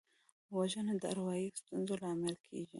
وژنه د اروايي ستونزو لامل کېږي